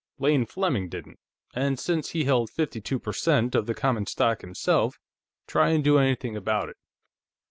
"Lane Fleming didn't. And since he held fifty two per cent of the common stock himself, try and do anything about it."